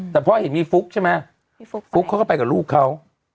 แต่พ่อเห็นมีฟุ๊กใช่ไหมฟุ๊กเขาก็ไปกับลูกเขา